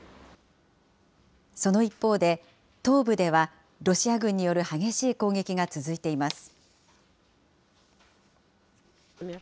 その一方で、東部では、ロシア軍による激しい攻撃が続いています。